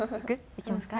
いけますか？